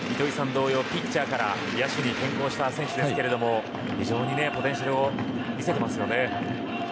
同様にピッチャーから野手に転向した選手ですが非常にポテンシャルを見せてますね。